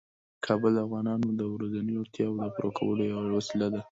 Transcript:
کابل د افغانانو د ورځنیو اړتیاوو د پوره کولو یوه وسیله ده.